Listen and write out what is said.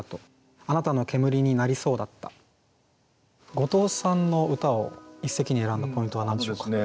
後藤さんの歌を一席に選んだポイントは何でしょうか？